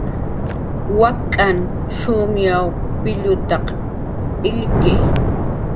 Wak'nhan shumyaw pillutaq illki